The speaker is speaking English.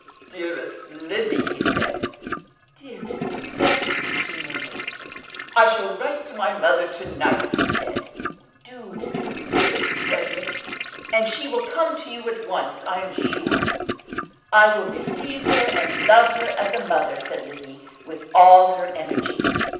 "Dearest Lizzie!" he said. "Dearest Frederic!" she murmured. "I shall write to my mother to night," he said. "Do, do; dear Frederic." "And she will come to you at once, I am sure." "I will receive her and love her as a mother," said Lizzie, with all her energy.